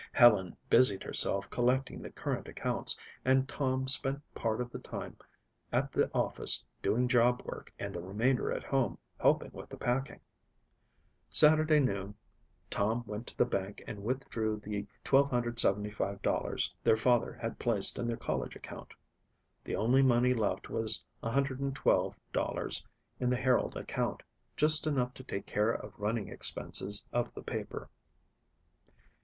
Helen busied herself collecting the current accounts and Tom spent part of the time at the office doing job work and the remainder at home helping with the packing. Saturday noon Tom went to the bank and withdrew the $1,275 their father had placed in their college account. The only money left was $112 in the Herald account, just enough to take care of running expenses of the paper.